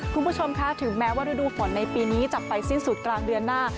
คุณผู้ชมคะถึงแม้ว่าฤดูฝนในปีนี้จะไปสิ้นสุดกลางเดือนหน้า